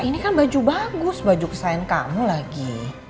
ini kan baju bagus baju kesayang kamu lagi